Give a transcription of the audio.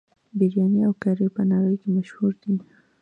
بریاني او کري په نړۍ کې مشهور دي.